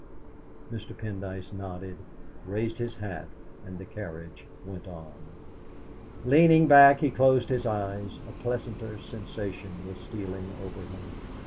Mr. Pendyce nodded, raised his hat, and the carriage went on. Leaning back, he closed his eyes; a pleasanter sensation was stealing over him.